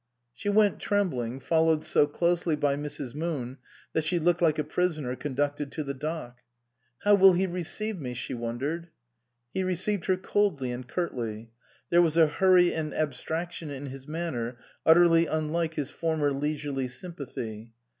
She went trembling, followed so closely by Mrs. Moon that she looked like a prisoner con ducted to the dock. " How will he receive me ?" she wondered. He received her coldly and curtly. There was a hurry and abstraction in his manner utterly unlike his former leisurely sympathy.